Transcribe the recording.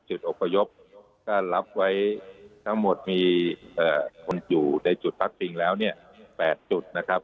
จุดอุปยุปก็รับไว้ทั้งหมดมีคนอยู่ในจุดพักจริงแล้ว๘จุดนะครับ